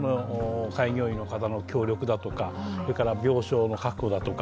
開業医の方の協力だとか病床の確保だとか。